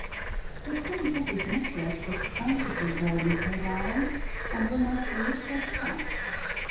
The pretty pussy's mistress is anxiously waiting for her darling, and will not sleep till she comes.